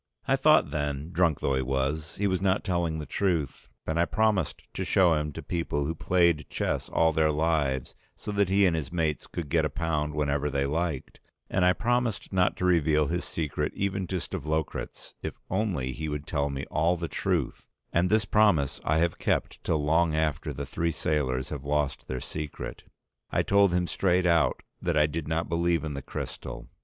I thought then that, drunk though he was, he was not telling the truth, and I promised to show him to people who played chess all their lives so that he and his mates could get a pound whenever they liked, and I promised not to reveal his secret even to Stavlokratz, if only he would tell me all the truth; and this promise I have kept till long after the three sailors have lost their secret. I told him straight out that I did not believe in the crystal.